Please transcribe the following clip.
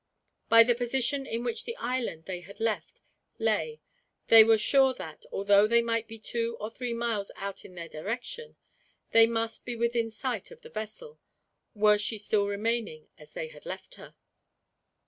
By the position in which the island they had left lay they were sure that, although they might be two or three miles out in their direction, they must be within sight of the vessel, were she still remaining as they had left her.